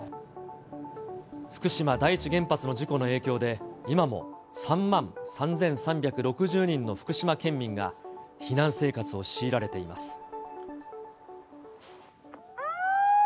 福島第一原発の事故の影響で、今も３万３３６０人の福島県民が避難生活を強いられています。